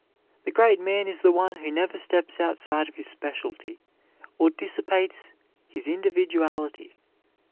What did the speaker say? The great man is the one who never steps outside of his specialty or dissipates his individuality.